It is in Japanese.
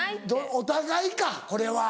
お互いかこれは。